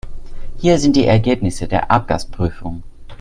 Hier sind die Ergebnisse der Abgasprüfung.